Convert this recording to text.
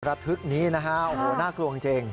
ระทึกนี้นะฮะโอ้โหน่ากลัวจริง